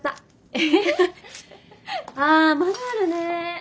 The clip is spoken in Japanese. あまだあるね。